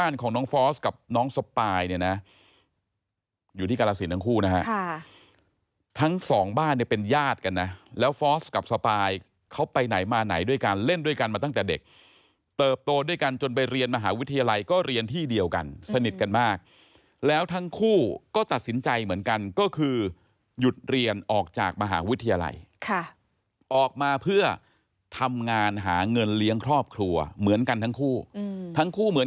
เนี้ยเป็นญาติกันนะแล้วฟอร์สกับสปายเขาไปไหนมาไหนด้วยกันเล่นด้วยกันมาตั้งแต่เด็กเติบโตด้วยกันจนไปเรียนมหาวิทยาลัยก็เรียนที่เดียวกันสนิทกันมากแล้วทั้งคู่ก็ตัดสินใจเหมือนกันก็คือหยุดเรียนออกจากมหาวิทยาลัยค่ะออกมาเพื่อทำงานหาเงินเลี้ยงครอบครัวเหมือนกันทั้งคู่อืมทั้งคู่เหมื